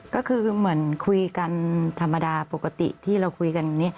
ก็คือเหมือนคุยกันธรรมดาปกติที่เราคุยกัน